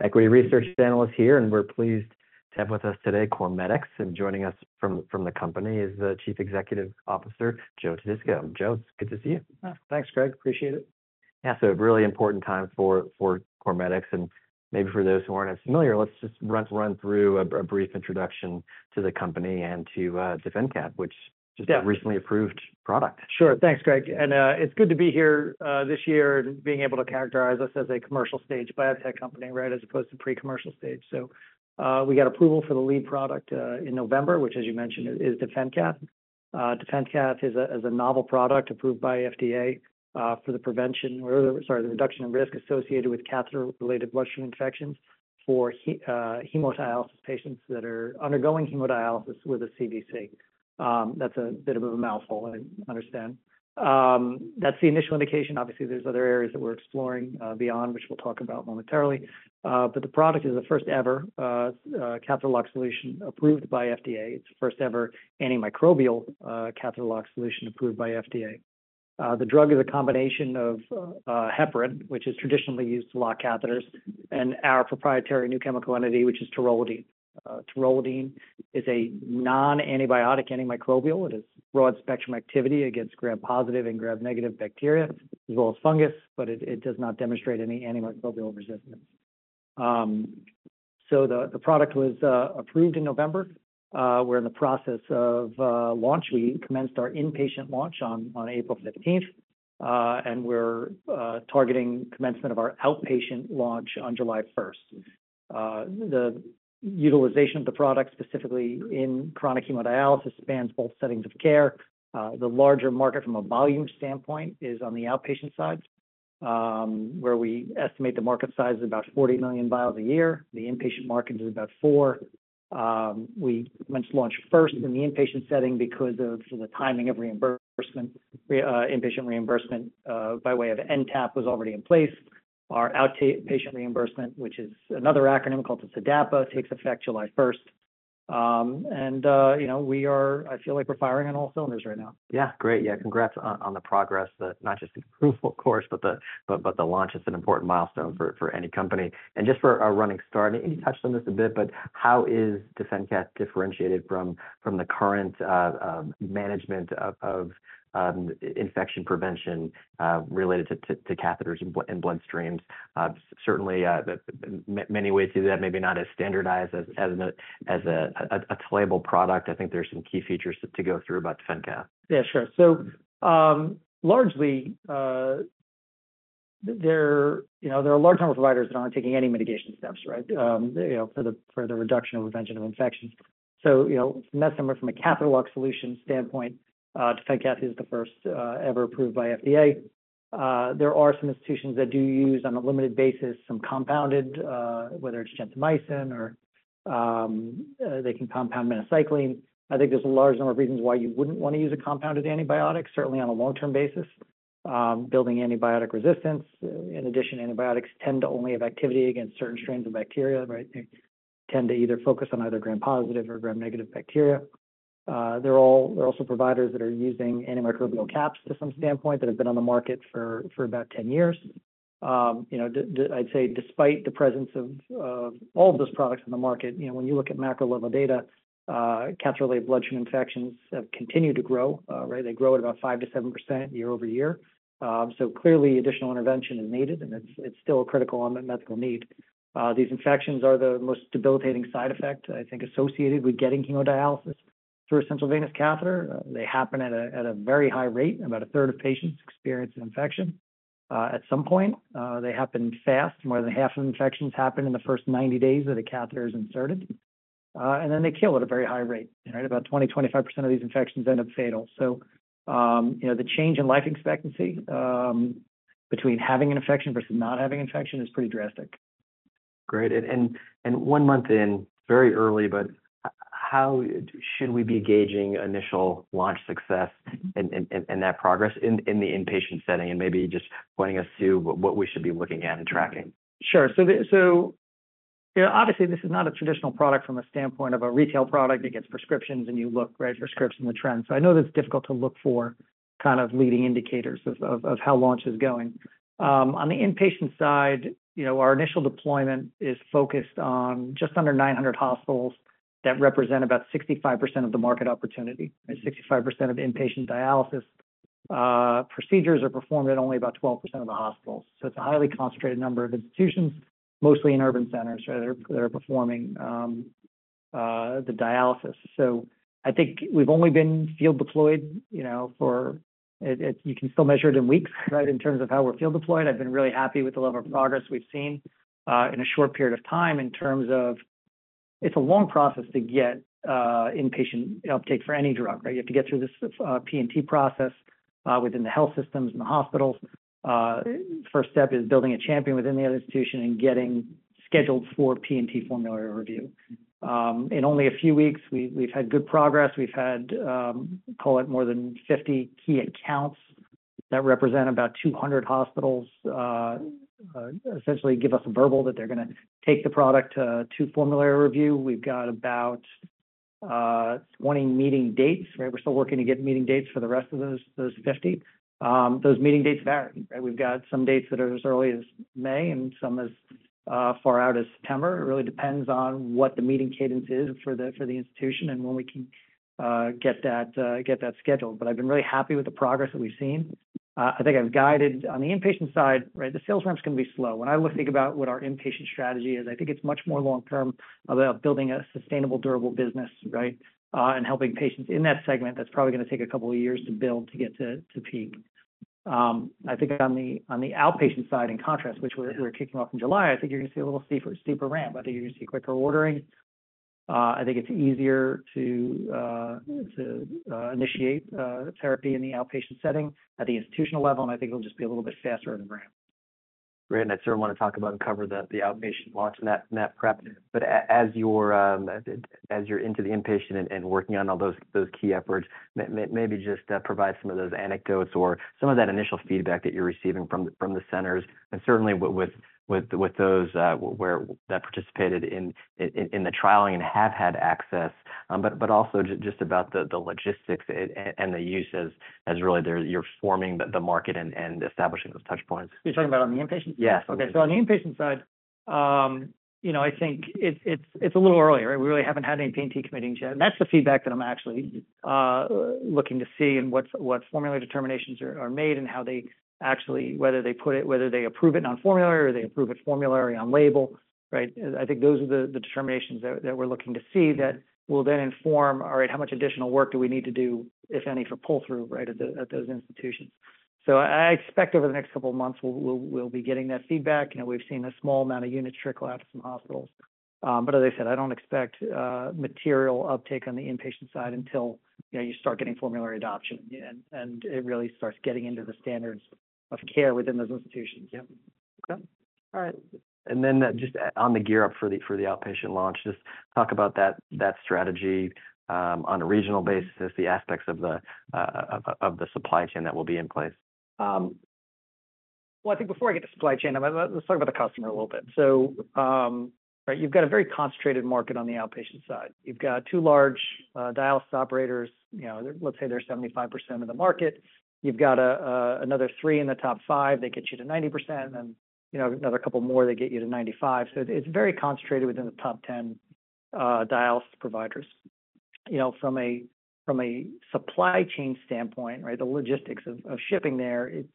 Equity research analyst here, and we're pleased to have with us today CorMedix. Joining us from the company is the Chief Executive Officer, Joe Todisco. Joe, it's good to see you. Thanks, Greg. Appreciate it. Yeah, so a really important time for CorMedix, and maybe for those who aren't as familiar, let's just run through a brief introduction to the company and to DefenCath, which- Yeah just a recently approved product. Sure. Thanks, Greg. And, it's good to be here, this year and being able to characterize us as a commercial stage biotech company, right, as opposed to pre-commercial stage. So, we got approval for the lead product, in November, which, as you mentioned, is DefenCath. DefenCath is a, is a novel product approved by FDA, for the prevention or, sorry, the reduction in risk associated with catheter-related bloodstream infections for hemodialysis patients that are undergoing hemodialysis with a CVC. That's a bit of a mouthful, I understand. That's the initial indication. Obviously, there's other areas that we're exploring, beyond, which we'll talk about momentarily. But the product is the first ever, catheter lock solution approved by FDA. It's the first ever antimicrobial, catheter lock solution approved by FDA. The drug is a combination of heparin, which is traditionally used to lock catheters, and our proprietary new chemical entity, which is taurolidine. Taurolidine is a non-antibiotic antimicrobial. It is broad-spectrum activity against Gram-positive and Gram-negative bacteria, as well as fungus, but it does not demonstrate any antimicrobial resistance. So the product was approved in November. We're in the process of launch. We commenced our inpatient launch on April fifteenth, and we're targeting commencement of our outpatient launch on July first. The utilization of the product, specifically in chronic hemodialysis, spans both settings of care. The larger market from a volume standpoint is on the outpatient side, where we estimate the market size is about 40 million vials a year. The inpatient market is about four. We commenced launch first in the inpatient setting because of the timing of reimbursement. Inpatient reimbursement, by way of NTAP, was already in place. Our outpatient reimbursement, which is another acronym called the TDAPA, takes effect July first. And, you know, I feel like we're firing on all cylinders right now. Yeah. Great. Yeah, congrats on the progress, not just the approval, of course, but the launch. It's an important milestone for any company. And just for a running start, and you touched on this a bit, but how is DefenCath differentiated from the current management of infection prevention related to catheters and bloodstreams? Certainly, many ways to do that, maybe not as standardized as a label product. I think there's some key features to go through about DefenCath. Yeah, sure. So, largely, there, you know, there are a large number of providers that aren't taking any mitigation steps, right? You know, for the, for the reduction or prevention of infections. So, you know, from a catheter lock solution standpoint, DefenCath is the first, ever approved by FDA. There are some institutions that do use, on a limited basis, some compounded, whether it's gentamicin or, they can compound minocycline. I think there's a large number of reasons why you wouldn't want to use a compounded antibiotic, certainly on a long-term basis. Building antibiotic resistance. In addition, antibiotics tend to only have activity against certain strains of bacteria, right? They tend to either focus on either gram-positive or gram-negative bacteria. There are also providers that are using antimicrobial caps from a standpoint that have been on the market for about 10 years. You know, I'd say despite the presence of all of those products in the market, you know, when you look at macro-level data, catheter-related bloodstream infections have continued to grow. Right, they grow at about 5%-7% year-over-year. So clearly additional intervention is needed, and it's still a critical unmet medical need. These infections are the most debilitating side effect, I think, associated with getting hemodialysis through a central venous catheter. They happen at a very high rate. About a third of patients experience an infection at some point. They happen fast. More than half of infections happen in the first 90 days that a catheter is inserted, and then they kill at a very high rate. Right, about 20%-25% of these infections end up fatal. So you know, the change in life expectancy between having an infection versus not having infection is pretty drastic. Great. And one month in, very early, but how should we be gauging initial launch success and that progress in the inpatient setting, and maybe just pointing us to what we should be looking at and tracking? Sure. So, you know, obviously, this is not a traditional product from a standpoint of a retail product. It gets prescriptions, and you look, right, prescriptions and the trends. So I know that's difficult to look for kind of leading indicators of how launch is going. On the inpatient side, you know, our initial deployment is focused on just under 900 hospitals that represent about 65% of the market opportunity, right? 65% of the inpatient dialysis procedures are performed at only about 12% of the hospitals. So it's a highly concentrated number of institutions, mostly in urban centers, right, that are performing the dialysis. So I think we've only been field deployed, you know, for it. You can still measure it in weeks, right? In terms of how we're field deployed. I've been really happy with the level of progress we've seen, in a short period of time in terms of... It's a long process to get, inpatient uptake for any drug, right? You have to get through this, P&T process, within the health systems and the hospitals. First step is building a champion within the other institution and getting scheduled for P&P formulary review. In only a few weeks, we've had good progress. We've had, call it more than 50 key accounts that represent about 200 hospitals, essentially give us a verbal that they're gonna take the product to, to formulary review. We've got about 20 meeting dates, right? We're still working to get meeting dates for the rest of those 50. Those meeting dates vary, right? We've got some dates that are as early as May and some as far out as September. It really depends on what the meeting cadence is for the, for the institution and when we can get that, get that scheduled. But I've been really happy with the progress that we've seen. I think I've guided on the inpatient side, right? The sales ramp's gonna be slow. When I think about what our inpatient strategy is, I think it's much more long term about building a sustainable, durable business, right? And helping patients in that segment, that's probably gonna take a couple of years to build to get to, to peak. I think on the, on the outpatient side, in contrast, which we're, we're kicking off in July, I think you're gonna see a little steeper, steeper ramp. I think you're gonna see quicker ordering. I think it's easier to initiate therapy in the outpatient setting at the institutional level, and I think it'll just be a little bit faster of a ramp. Great, and I certainly wanna talk about and cover the outpatient launch and that prep. But as you're into the inpatient and working on all those key efforts, maybe just provide some of those anecdotes or some of that initial feedback that you're receiving from the centers, and certainly with those where that participated in the trialing and have had access. But also just about the logistics and the uses as really you're forming the market and establishing those touchpoints. You're talking about on the inpatient side? Yes. Okay. So on the inpatient side, you know, I think it's a little earlier. We really haven't had any P&T committees yet. And that's the feedback that I'm actually looking to see and what's formulary determinations are made and how they actually whether they put it, whether they approve it on formulary or they approve it formulary on label, right? I think those are the determinations that we're looking to see that will then inform, all right, how much additional work do we need to do, if any, for pull-through, right, at the-- at those institutions. So I expect over the next couple of months, we'll be getting that feedback. You know, we've seen a small amount of units trickle out of some hospitals. As I said, I don't expect material uptake on the inpatient side until, you know, you start getting formulary adoption, yeah, and, and it really starts getting into the standards of care within those institutions. Yeah. Okay. All right. And then just on the gear-up for the outpatient launch, just talk about that strategy on a regional basis, the aspects of the supply chain that will be in place. Well, I think before I get to supply chain, let's talk about the customer a little bit. So, right, you've got a very concentrated market on the outpatient side. You've got two large dialysis operators, you know, let's say they're 75% of the market. You've got another three in the top five, they get you to 90%, and, you know, another couple more, they get you to 95%. So it's very concentrated within the top 10 dialysis providers. You know, from a supply chain standpoint, right, the logistics of shipping there, it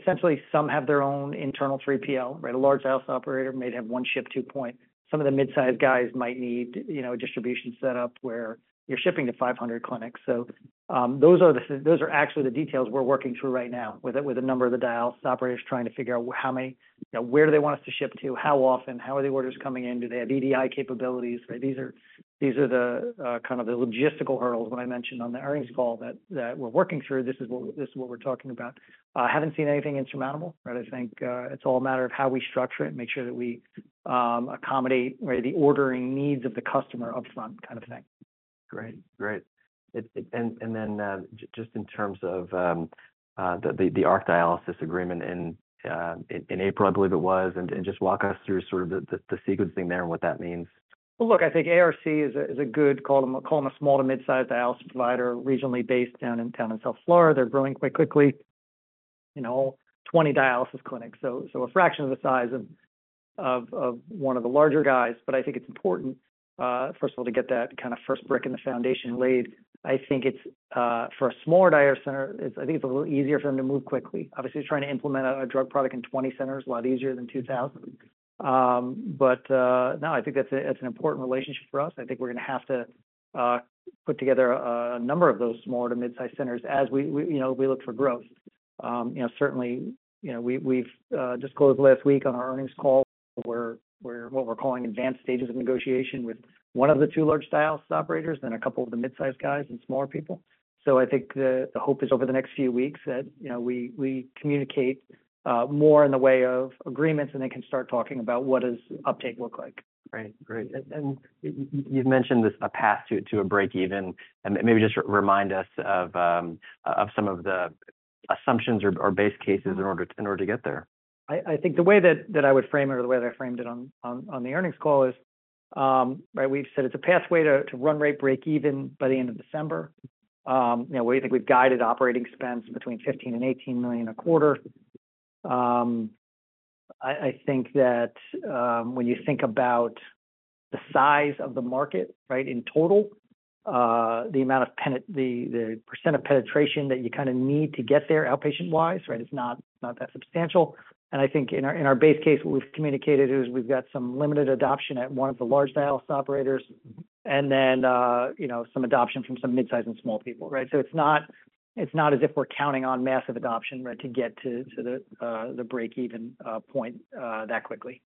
essentially, some have their own internal 3PL, right? A large dialysis operator may have one ship to point. Some of the mid-sized guys might need, you know, a distribution set up where you're shipping to 500 clinics. So, those are actually the details we're working through right now with a number of the dialysis operators, trying to figure out how many, you know, where do they want us to ship to, how often, how are the orders coming in? Do they have EDI capabilities? These are the kind of the logistical hurdles that I mentioned on the earnings call that we're working through. This is what we're talking about. I haven't seen anything insurmountable, right? I think it's all a matter of how we structure it and make sure that we accommodate, right, the ordering needs of the customer up front kind of thing. Great. Great. And, and then, just in terms of the ARC Dialysis agreement in April, I believe it was, and just walk us through sort of the sequencing there and what that means. Well, look, I think ARC is a good, call them a small to mid-sized dialysis provider, regionally based down in town in South Florida. They're growing quite quickly, you know, 20 dialysis clinics, so a fraction of the size of one of the larger guys. But I think it's important, first of all, to get that kind of first brick in the foundation laid. I think it's for a smaller dialysis center, it's—I think it's a little easier for them to move quickly. Obviously, trying to implement a drug product in 20 centers is a lot easier than 2,000. But no, I think that's an important relationship for us. I think we're gonna have to put together a number of those small to mid-size centers as we, you know, we look for growth. You know, certainly, you know, we've disclosed last week on our earnings call where we're what we're calling advanced stages of negotiation with one of the two large dialysis operators and a couple of the mid-sized guys and smaller people. So I think the hope is over the next few weeks that, you know, we communicate more in the way of agreements, and they can start talking about what does uptake look like. Great. Great. And you've mentioned this, a path to a break even, and maybe just remind us of some of the assumptions or base cases in order to get there. I think the way that I would frame it, or the way that I framed it on the earnings call, is, right, we've said it's a pathway to run rate break even by the end of December. You know, we think we've guided operating expense between $15-18 million a quarter. I think that, when you think about the size of the market, right, in total, the % of penetration that you kinda need to get there, outpatient wise, right, it's not that substantial. I think in our base case, what we've communicated is we've got some limited adoption at one of the large dialysis operators, and then, you know, some adoption from some midsize and small people, right? So it's not, it's not as if we're counting on massive adoption, right, to get to the break-even point that quickly.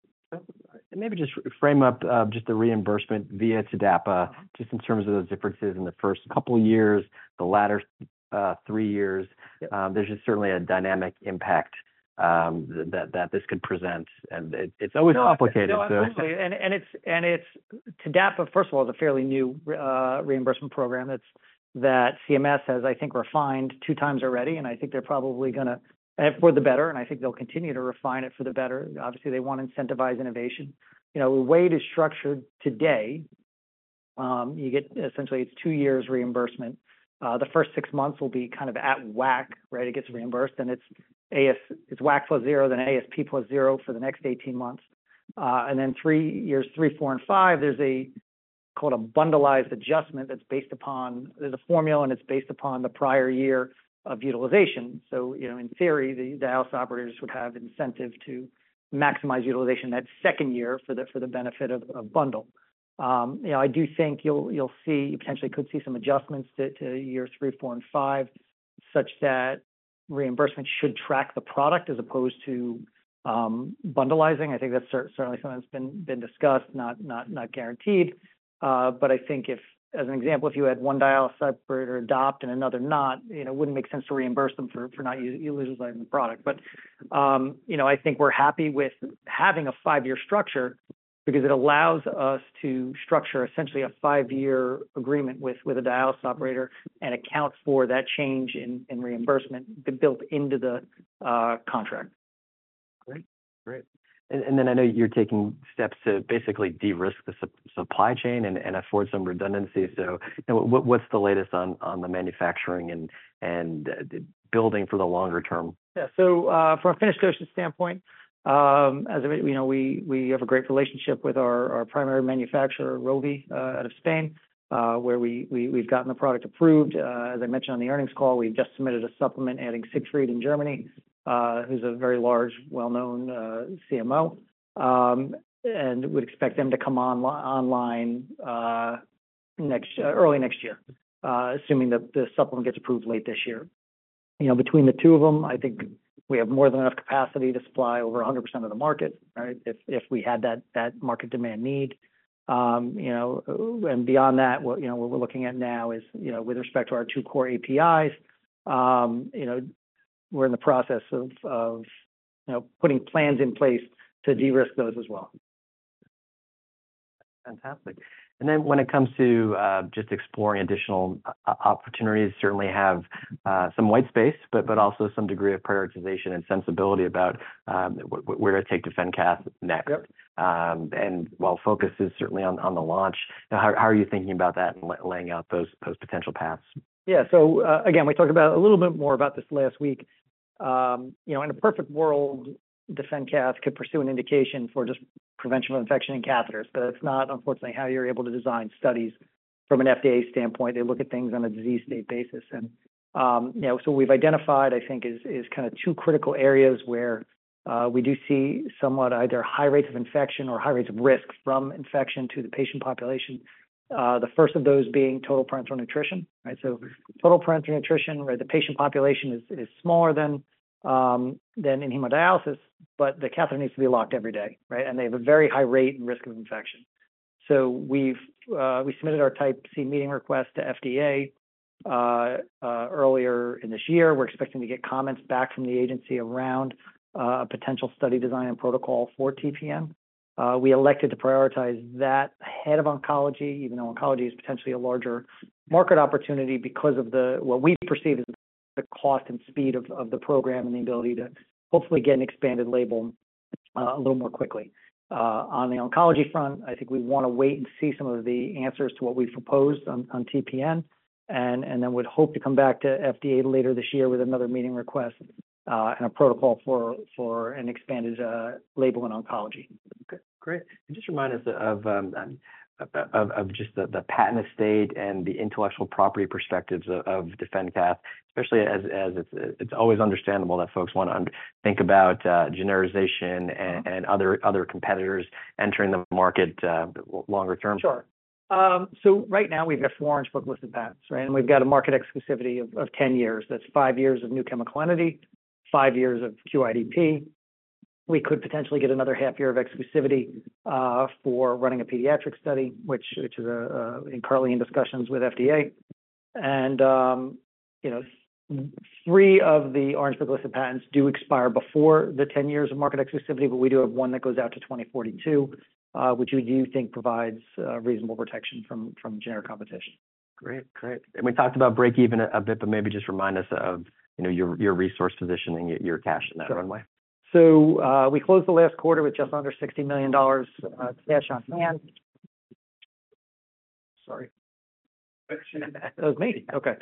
Maybe just frame up just the reimbursement via TDAPA, just in terms of those differences in the first couple of years, the latter three years. There's just certainly a dynamic impact that this could present, and it's always complicated, so- No, absolutely. And it's TDAPA, first of all, is a fairly new reimbursement program. It's that CMS has, I think, refined 2 times already, and I think they're probably gonna. And for the better, and I think they'll continue to refine it for the better. Obviously, they want to incentivize innovation. You know, the way it is structured today, you get essentially it's 2 years reimbursement. The first 6 months will be kind of at WAC, right? It gets reimbursed, and it's WAC plus 0, then ASP plus 0 for the next 18 months. And then years 3, 4, and 5, there's a bundleized adjustment that's based upon. There's a formula, and it's based upon the prior year of utilization. So, you know, in theory, the dialysis operators would have incentive to maximize utilization that second year for the benefit of bundle. You know, I do think you'll see you potentially could see some adjustments to year 3, 4, and 5, such that reimbursement should track the product as opposed to bundleizing. I think that's certainly something that's been discussed, not guaranteed. But I think if, as an example, if you had one dialysis operator adopt and another not, you know, it wouldn't make sense to reimburse them for not utilizing the product. But you know, I think we're happy with having a 5-year structure because it allows us to structure essentially a 5-year agreement with a dialysis operator and account for that change in reimbursement built into the contract. Great. Great. And then I know you're taking steps to basically de-risk the supply chain and afford some redundancy. So what's the latest on the manufacturing and building for the longer term? Yeah. So, from a finished goods standpoint, as you know, we have a great relationship with our primary manufacturer, Rovi, out of Spain, where we've gotten the product approved. As I mentioned on the earnings call, we've just submitted a supplement adding Siegfried in Germany, who's a very large, well-known, CMO. And we'd expect them to come online, early next year, assuming that the supplement gets approved late this year. You know, between the two of them, I think we have more than enough capacity to supply over 100% of the market, right? If we had that market demand need. You know, and beyond that, what we're looking at now is, you know, with respect to our two core APIs, you know, we're in the process of putting plans in place to de-risk those as well. Fantastic. And then when it comes to just exploring additional opportunities, certainly have some white space, but also some degree of prioritization and sensibility about where to take DefenCath next. Yep. And while focus is certainly on the launch, how are you thinking about that and laying out those potential paths? Yeah. So, again, we talked about a little bit more about this last week. You know, in a perfect world, DefenCath could pursue an indication for just prevention of infection in catheters, but that's not, unfortunately, how you're able to design studies from an FDA standpoint. They look at things on a disease state basis. And, you know, so we've identified, I think is, is kind of two critical areas where, we do see somewhat either high rates of infection or high rates of risk from infection to the patient population. The first of those being total parenteral nutrition, right? So total parenteral nutrition, where the patient population is, is smaller than, than in hemodialysis, but the catheter needs to be locked every day, right? And they have a very high rate and risk of infection. So we've submitted our type C meeting request to FDA earlier in this year. We're expecting to get comments back from the agency around a potential study design and protocol for TPN. We elected to prioritize that ahead of oncology, even though oncology is potentially a larger market opportunity because of what we perceive as the cost and speed of the program and the ability to hopefully get an expanded label a little more quickly. On the oncology front, I think we wanna wait and see some of the answers to what we've proposed on TPN, and then we'd hope to come back to FDA later this year with another meeting request and a protocol for an expanded label in oncology. Okay, great. And just remind us of just the patent estate and the intellectual property perspectives of DefenCath, especially as it's always understandable that folks wanna think about generalization and other competitors entering the market longer term. Sure. So right now we've got four Orange Book-listed patents, right? And we've got a market exclusivity of ten years. That's five years of new chemical entity, five years of QIDP. We could potentially get another half year of exclusivity for running a pediatric study, which is currently in discussions with FDA. And, you know, three of the Orange Book-listed patents do expire before the ten years of market exclusivity, but we do have one that goes out to 2042, which we do think provides reasonable protection from generic competition. Great. Great. We talked about breakeven a bit, but maybe just remind us of, you know, your, your resource positioning, your cash in that runway. So, we closed the last quarter with just under $60 million cash on hand. Sorry. That was me. Okay.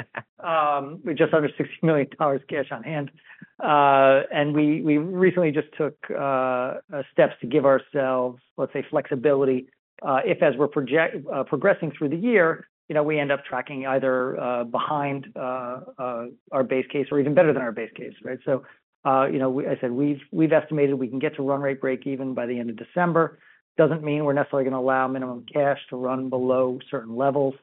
With just under $60 million cash on hand. And we recently just took steps to give ourselves, let's say, flexibility, if as we're progressing through the year, you know, we end up tracking either our base case or even better than our base case, right? So, you know, as I said, we've estimated we can get to run rate breakeven by the end of December. Doesn't mean we're necessarily gonna allow minimum cash to run below certain levels.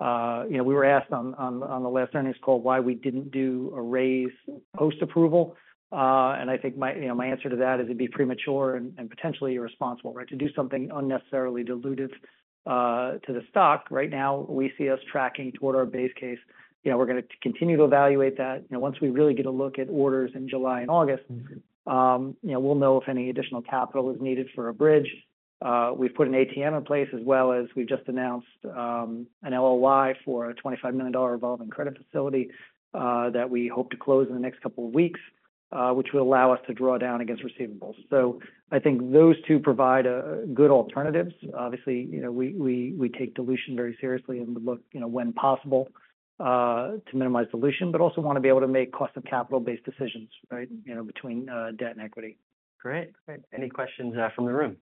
You know, we were asked on the last earnings call why we didn't do a raise post-approval. and I think my, you know, my answer to that is it'd be premature and potentially irresponsible, right? To do something unnecessarily dilutive to the stock. Right now, we see us tracking toward our base case. You know, we're gonna continue to evaluate that. You know, once we really get a look at orders in July and August- Mm-hmm. you know, we'll know if any additional capital is needed for a bridge. We've put an ATM in place, as well as we've just announced, an LOI for a $25 million revolving credit facility, that we hope to close in the next couple of weeks, which will allow us to draw down against receivables. So I think those two provide good alternatives. Obviously, you know, we take dilution very seriously and would look, you know, when possible, to minimize dilution, but also wanna be able to make cost of capital-based decisions, right, you know, between debt and equity. Great. Great. Any questions from the room?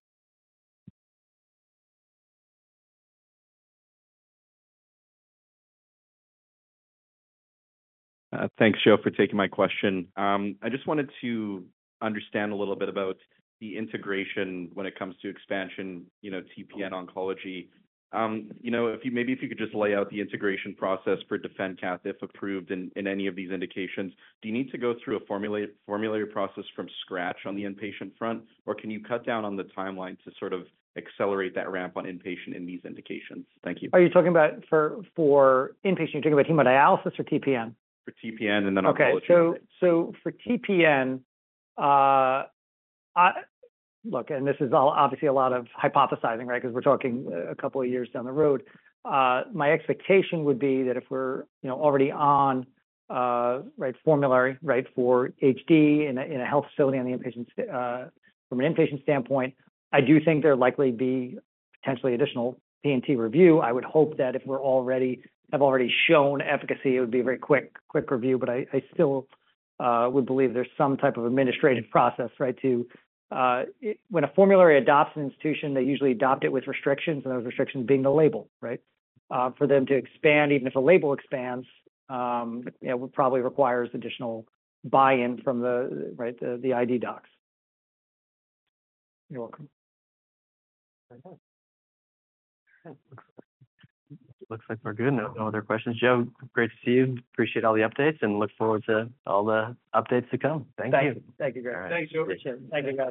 Thanks, Joe, for taking my question. I just wanted to understand a little bit about the integration when it comes to expansion, you know, TPN oncology. You know, maybe if you could just lay out the integration process for DefenCath, if approved in any of these indications. Do you need to go through a formulary process from scratch on the inpatient front? Or can you cut down on the timeline to sort of accelerate that ramp on inpatient in these indications? Thank you. Are you talking about for inpatient, you're talking about hemodialysis or TPN? For TPN and then oncology. Okay. So for TPN, I look, and this is all obviously a lot of hypothesizing, right? Because we're talking a couple of years down the road. My expectation would be that if we're, you know, already on, right, formulary, right, for HD in a health facility from an inpatient standpoint, I do think there'd likely be potentially additional PNT review. I would hope that if we're already have already shown efficacy, it would be a very quick, quick review. But I still would believe there's some type of administrative process, right, to... When a formulary adopts an institution, they usually adopt it with restrictions, and those restrictions being the label, right? For them to expand, even if a label expands, you know, probably requires additional buy-in from the right, the ID docs. You're welcome. Looks like we're good. No, no other questions. Joe, great to see you. Appreciate all the updates, and look forward to all the updates to come. Thank you. Thank you, Greg. All right. Thanks, Joe. Appreciate it. Thank you, guys.